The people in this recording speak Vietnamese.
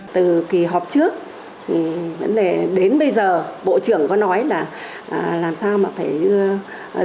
từ kỳ họp trước vấn đề đến bây giờ bộ trưởng có nói là làm sao mà phải đưa